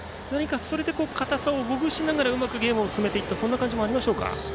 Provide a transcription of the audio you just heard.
それで硬さをほぐしながらうまくゲームを進めていったそんな感じもあるでしょうか。